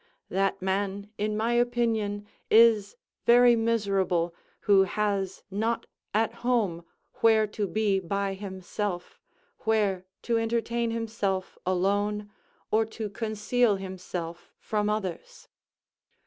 That man, in my opinion, is very miserable, who has not at home where to be by himself, where to entertain himself alone, or to conceal himself from others.